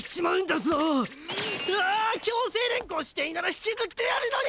強制連行していいなら引きずってやるのに！